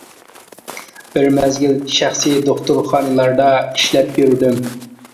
بىر مەزگىل شەخسىي دوختۇرخانىلاردا ئىشلەپ يۈردۈم.